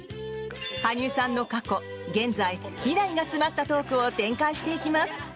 羽生さんの過去、現在、未来が詰まったトークを展開していきます。